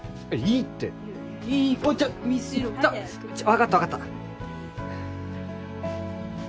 分かった分かった。